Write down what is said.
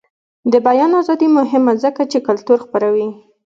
د بیان ازادي مهمه ده ځکه چې کلتور خپروي.